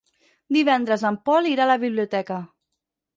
Divendres en Pol irà a la biblioteca.